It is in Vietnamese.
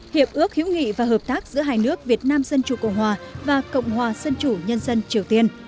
hiệp ước hữu nghị và hợp tác giữa hai nước việt nam dân chủ cộng hòa và cộng hòa dân chủ nhân dân triều tiên